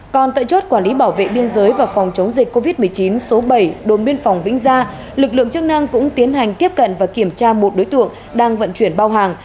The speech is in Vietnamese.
còn tại chốt quản lý bảo vệ biên giới và phòng chống dịch covid một mươi chín số bảy đồn biên phòng vĩnh gia lực lượng chức năng cũng tiến hành tiếp cận và kiểm tra một đối tượng đang vận chuyển bao hàng